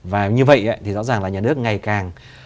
và như vậy thì rõ ràng là nhà nước ngày càng